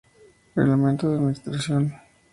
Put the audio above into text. Reglamento de Administración.